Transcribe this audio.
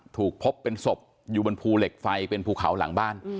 ถูกพบเป็นศพอยู่บนภูเหล็กไฟเป็นภูเขาหลังบ้าน